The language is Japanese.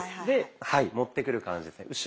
ではい持ってくる感じですね。